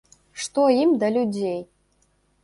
Што ім да людзей?